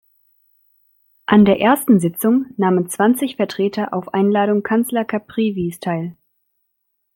An der ersten Sitzung nahmen zwanzig Vertreter auf Einladung Kanzler Caprivis teil.